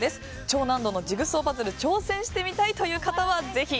超難度のジグソーパズル挑戦してみたいという方は、ぜひ。